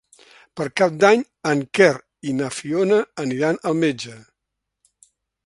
Per Cap d'Any en Quer i na Fiona aniran al metge.